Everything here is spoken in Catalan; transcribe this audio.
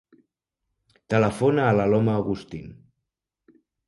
Telefona a l'Aloma Agustin.